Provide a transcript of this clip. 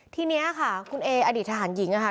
ที่นี่ค่ะคุณเออดิตหันหญิง